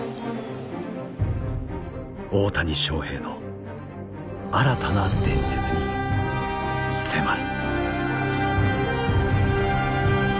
大谷翔平の新たな伝説に迫る。